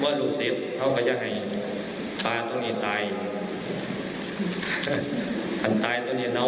แล้วขสิตเขาก็ยั้งให้ที่มีปะในนี้ตาย